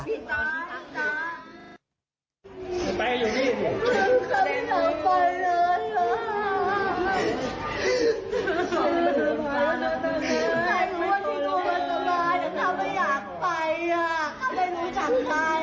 เย็นไปอยู่บ้านตะวันดีเลย